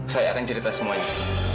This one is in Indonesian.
saya akan cerita semuanya